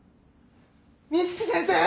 美月先生！